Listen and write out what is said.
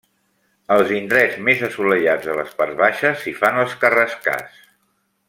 Als indrets més assolellats de les parts baixes, s'hi fan els carrascars.